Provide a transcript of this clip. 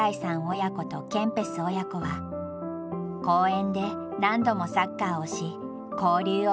親子とケンペス親子は公園で何度もサッカーをし交流を深めていった。